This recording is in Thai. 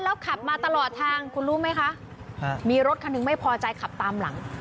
แล้วขับมาตลอดทางคุณรู้ไหมคะมีรถคันหนึ่งไม่พอใจขับตามหลัง